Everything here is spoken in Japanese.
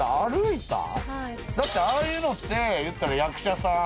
だってああいうのっていったら役者さん。